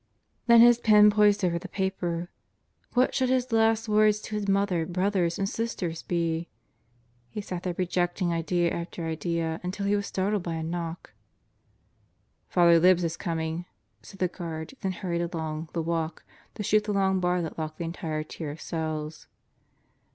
Then his pen poised over the paper. What should his last words to his mother, brothers and sisters be? He sat there rejecting idea after idea until he was startled by a knock. "Father Libs is coming," said the guard, then hurried along "the walk" to shoot the long bar that locked the entire tier of cells.